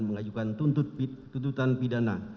mengajukan tuntutan pidana